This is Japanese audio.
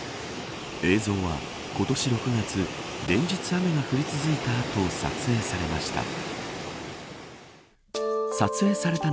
映像は、今年６月連日、雨が降り続いた後撮影されました。